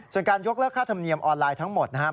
ส่วนการยกเลิกค่าธรรมเนียมออนไลน์ทั้งหมดนะครับ